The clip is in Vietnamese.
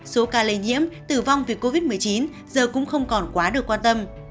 số ca lây nhiễm tử vong vì covid một mươi chín giờ cũng không còn quá được quan tâm